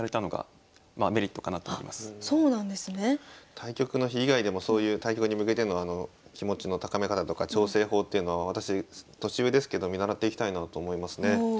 対局の日以外でもそういう対局に向けての気持ちの高め方とか調整法っていうのは私年上ですけど見習っていきたいなと思いますね。